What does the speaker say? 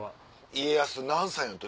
家康何歳の時？